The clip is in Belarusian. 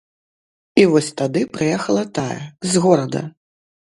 І вось тады прыехала тая, з горада.